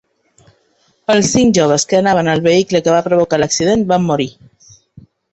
Els cinc joves que anaven al vehicle que va provocar l’accident van morir.